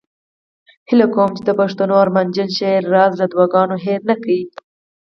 هیله کوم چې د پښتنو ارمانجن شاعر راز له دعاګانو هیر نه کړي